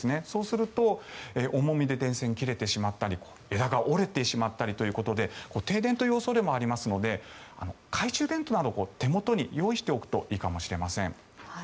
そうすると重みで電線が切れてしまったり枝が折れてしまったりということで停電という恐れもありますので懐中電灯などを手元に用意しておくといいかもしれません。